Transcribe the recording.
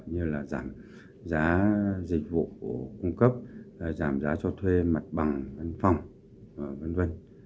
như là giảm giá dịch vụ cung cấp giảm giá cho thuê mặt bằng văn phòng v v